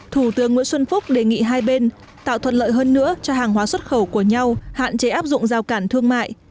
thủ tướng nguyễn xuân phúc đề nghị hai bên tạo thuận lợi hơn nữa cho hàng hóa xuất khẩu của nhau hạn chế áp dụng giao cản thương mại